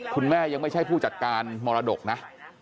คุณแม่ยังไม่ใช่ผู้จัดการมรดกนะ